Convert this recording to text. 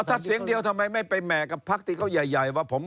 ถ้าเสียงเดียวทำไมไม่ไปแหม่กับพักที่เขาใหญ่ว่าผม